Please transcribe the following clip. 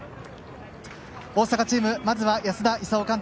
大阪チームまず安田功監督。